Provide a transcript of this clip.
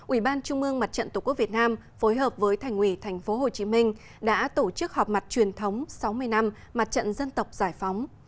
ủy ban trung ương mặt trận tổ quốc việt nam phối hợp với thành ủy tp hcm đã tổ chức họp mặt truyền thống sáu mươi năm mặt trận dân tộc giải phóng